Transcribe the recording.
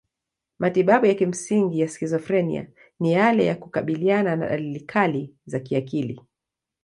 Matibabu ya kimsingi ya skizofrenia ni yale ya kukabiliana na dalili kali za kiakili.